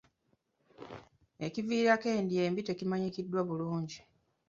Ekiviirako endya embi tekimanyikiddwa bulungi